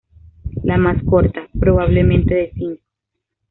La más corta, probablemente de cinco.